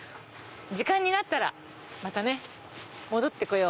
時間になったら戻って来よう。